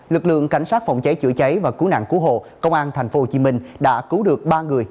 lực lượng cảnh sát phòng cháy chữa cháy và cứu nạn cứu hộ công an tp hcm đã cứu được ba người